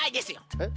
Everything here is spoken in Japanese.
えっ？